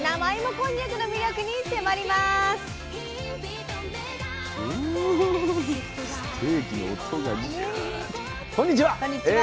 こんにちは。